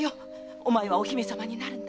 お前はお姫様になるんだ。